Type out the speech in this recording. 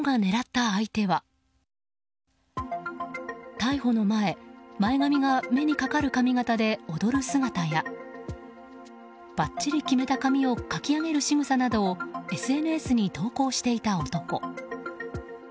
逮捕の前、前髪が目にかかる髪形で踊る姿やばっちり決めた髪をかき上げるしぐさなどをＳＮＳに投稿していた男。